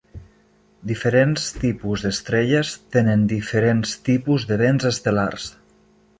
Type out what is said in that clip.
Diferents tipus d'estrelles tenen diferents tipus de vents estel·lars.